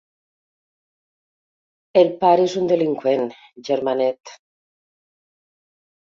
El pare és un delinqüent, germanet.